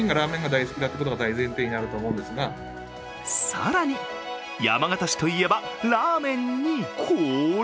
更に山形市といえば、ラーメンに氷？